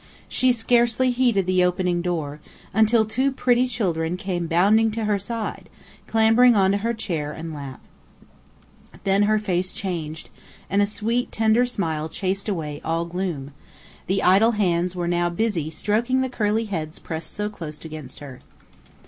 She scarcely heeded the opening door, until two pretty children came bounding to her side, clambering onto her chair and lap. Then her face changed, and a sweet, tender smile chased away all gloom; the idle hands were busy now stroking the curly heads pressed so close against her.